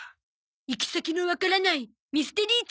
行き先のわからないミステリーツアーですな。